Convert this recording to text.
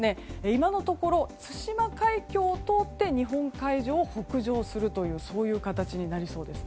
今のところ対馬海峡を通って日本海上を北上するというそういう形になりそうです。